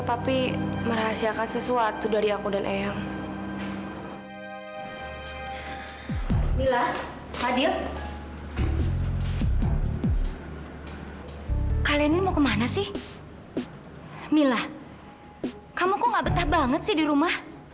sampai jumpa di video selanjutnya